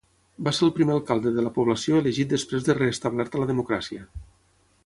Va ser el primer alcalde de la població elegit després de restablerta la democràcia.